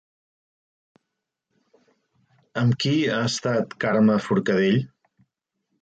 Amb qui ha estat Carme Forcadell?